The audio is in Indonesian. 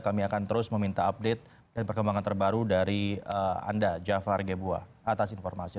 kami akan terus meminta update dan perkembangan terbaru dari anda jafar gebuah atas informasi